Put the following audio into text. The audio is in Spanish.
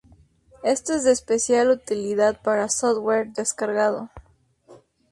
Esto es de especial utilidad para software descargado.